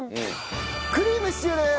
クリームシチューです！